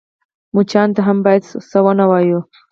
_مچانو ته هم بايد څه ونه وايو.